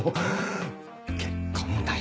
結婚だよ。